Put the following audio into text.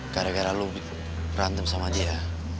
gara gara lu berantem sama dia